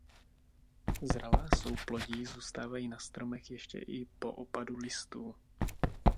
Zralá souplodí zůstávají na stromech ještě i po opadu listů.